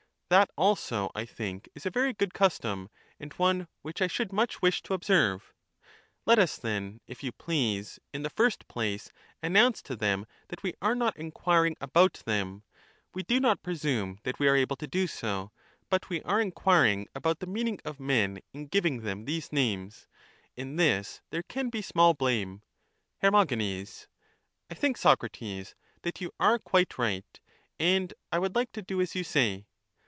That also, I think, is a very good custom, and one which I should much wish to observe. Let us, then, if you please, in the first place announce to them that we are not enquiring about them ; we do not presume that we are able to do so ; but we are enquiring about the meaning of men in giving them these names, — in this there can be small blame. Her. I think, Socrates, that you are quite right, and I would like to do as you say.